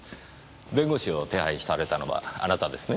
弁護士を手配されたのはあなたですね？